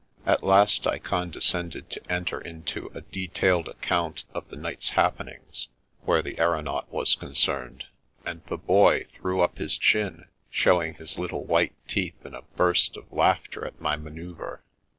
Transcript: At last I condescended to enter into a de tailed accoimt of the night's happenings, where the aeronaut was concerned, and the Boy threw up his chin, showing his little white teeth in a burst of laughter at my manoeuvre.